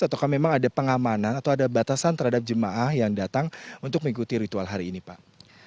atau memang ada pengamanan atau ada batasan terhadap jemaah yang datang untuk mengikuti ritual hari ini pak